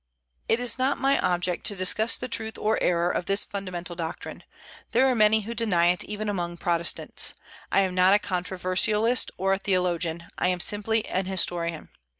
It is not my object to discuss the truth or error of this fundamental doctrine. There are many who deny it, even among Protestants. I am not a controversialist, or a theologian: I am simply an historian.